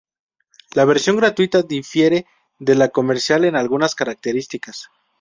La versión gratuita difiere de la comercial en algunas características.